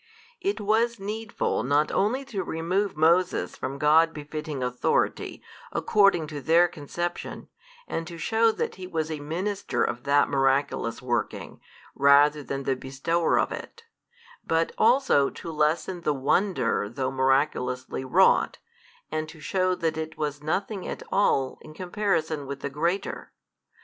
It was needful not only to remove Moses from God befitting Authority, according to their conception, and to shew that he was a minister of that miraculous working, rather than the bestower of it, but also to lessen the wonder though miraculously wrought, and to shew that it was nothing at all in comparison with the greater.